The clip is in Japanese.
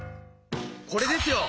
これですよ！